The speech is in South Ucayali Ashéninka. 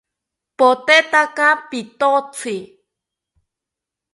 Potetaka pitotzi